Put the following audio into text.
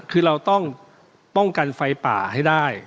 คือเราต้องป้องกันไฟป่าให้ได้